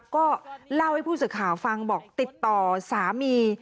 ก็เล่าให้ผู้สื่อข่าวฟังบอกติดต่อสามี